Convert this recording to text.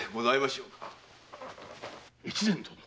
越前殿。